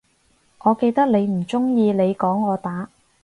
我記得你唔鍾意你講我打